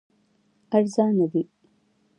ارزانه دي.